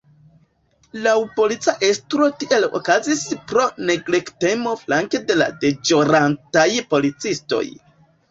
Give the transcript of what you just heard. Laŭ polica estro tiel okazis pro neglektemo flanke de la deĵorantaj policistoj.